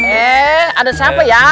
eh ada siapa ya